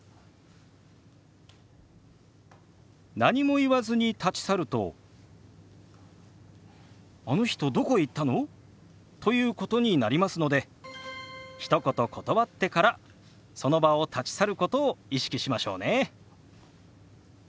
何も言わずに立ち去ると「あの人どこへ行ったの？」ということになりますのでひと言断ってからその場を立ち去ることを意識しましょうね。